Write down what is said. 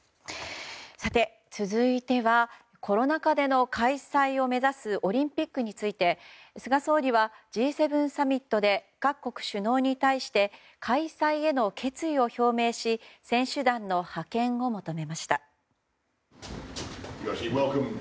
続いては、コロナ禍での開催を目指すオリンピックについて菅総理はＧ７サミットで各国首脳に対して開催への決意を表明し選手団の派遣を求めました。